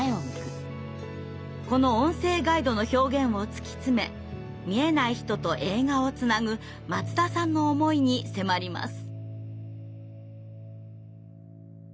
この音声ガイドの表現を突き詰め見えない人と映画をつなぐ松田さんの思いに迫ります。